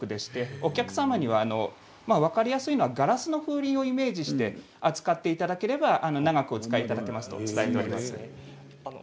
お客様に分かりやすいのはガラスの風鈴をイメージして扱っていただければ長くお使いいただけますとお伝えしています。